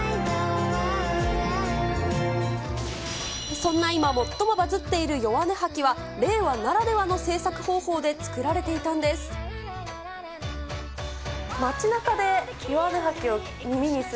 そんな、今最もバズっているヨワネハキは、令和ならではの制作方法で作られていたんです。